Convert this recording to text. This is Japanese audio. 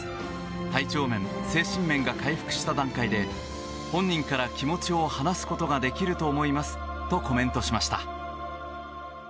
体調面、精神面が回復した段階で本人から気持ちを話すことができると思いますとコメントしました。